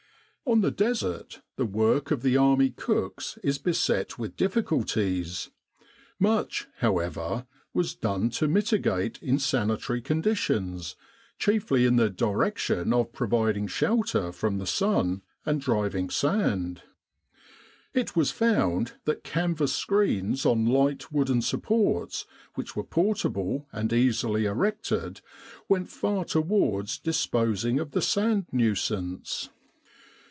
On the Desert the work of the army cooks is beset with difficulties. Much, however, was done to miti gate insanitary conditions, chiefly in the direction of providing shelter from the sun and driving sand. It was found that canvas screens on light wooden supports, which were portable and easily erected, went far towards disposing of the sand nuisance.